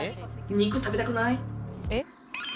肉食べたくない？